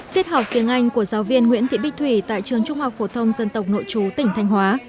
tiết học tiếng anh của giáo viên nguyễn thị bích thủy tại trường trung học phổ thông dân tộc nội chú tỉnh thanh hóa